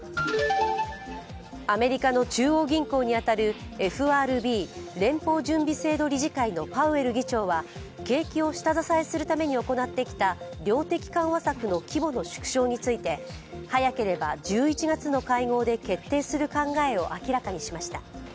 アメリカの中央銀行に当たるＦＲＢ＝連邦準備制度理事会のパウエル議長は、景気を下支えするために行ってきた量的緩和策の規模の縮小について早ければ１１月の会合で決定する考えを明らかにしました。